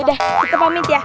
yaudah kita pamit ya